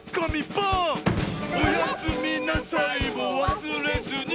「おやすみなさいもわすれずに」